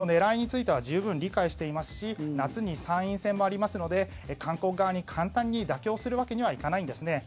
ただ、日本政府もこの狙いについては十分理解していますし夏に参院選もありますので韓国側に簡単に妥協するわけにはいかないんですね。